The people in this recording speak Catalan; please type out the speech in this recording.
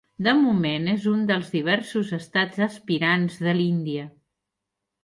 De moment és un dels diversos estats aspirants de l'Índia.